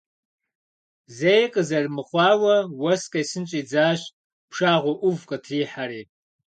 Зэи къызэрымыхъуауэ уэс къесын щӀидзащ, пшагъуэ Ӏув къытрихьэри.